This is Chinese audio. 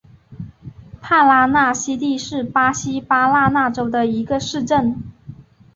帕拉纳西蒂是巴西巴拉那州的一个市镇。